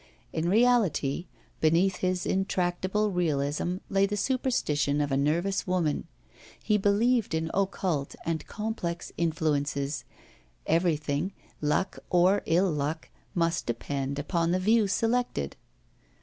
In reality, beneath his intractable realism lay the superstition of a nervous woman; he believed in occult and complex influences; everything, luck or ill luck, must depend upon the view selected.